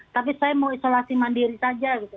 tapi saya mau isolasi mandiri saja gitu